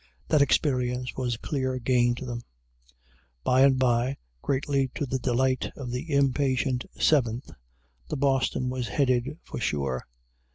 That experience was clear gain to them. By and by, greatly to the delight of the impatient Seventh, the "Boston" was headed for shore.